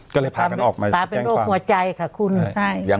ก็เลยพากันออกมาแจ้งความ